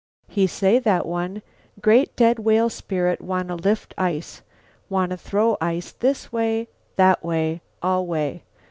"He say, that one, 'Great dead whale spirit wanna lift ice, wanna throw ice this way, that way, all way.